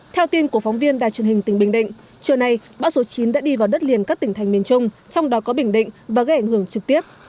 theo tin của phóng viên đài truyền hình tỉnh bình định trưa nay bão số chín đã đi vào đất liền các tỉnh thành miền trung trong đó có bình định và gây ảnh hưởng trực tiếp